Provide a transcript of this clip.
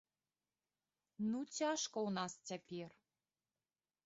Ну цяжка ў нас цяпер.